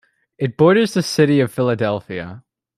It borders the city of Philadelphia.